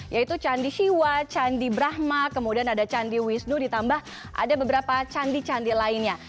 yaitu candi hiwa candi brahma kemudian ada candi wisnu ditambah ada beberapa candi candi lainnya